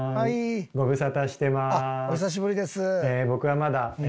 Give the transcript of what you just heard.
お久しぶりです。